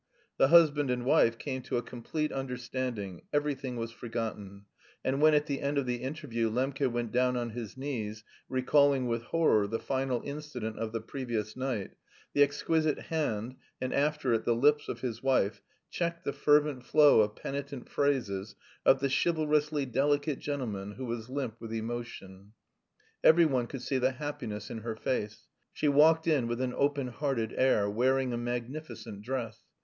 The husband and wife came to a complete understanding, everything was forgotten, and when at the end of the interview Lembke went down on his knees, recalling with horror the final incident of the previous night, the exquisite hand, and after it the lips of his wife, checked the fervent flow of penitent phrases of the chivalrously delicate gentleman who was limp with emotion. Every one could see the happiness in her face. She walked in with an open hearted air, wearing a magnificent dress.